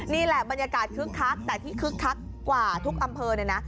นี่แหละบรรยากาศคึกคักแต่ที่คึกคักกว่าทุกอำเภอเนี่ยนะ